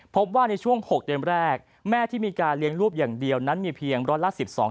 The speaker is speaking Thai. พบว่าในช่วง๖เดือนแรกแม่ที่มีการเลี้ยงลูกอย่างเดียวนั้นมีเพียงร้อยละ๑๒